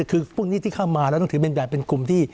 คือพวกนี้ที่เข้ามาแล้วต้องถือเป็นการเป็นกลุ่มที่